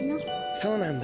そうなんだ。